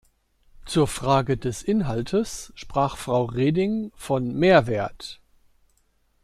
Zur Frage des Inhaltes sprach Frau Reding von Mehrwert.